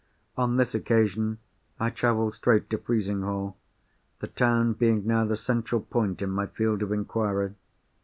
On this occasion, I travelled straight to Frizinghall—the town being now the central point in my field of inquiry.